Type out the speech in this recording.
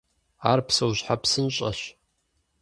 Ар псэущхьэ псынщӏэщ.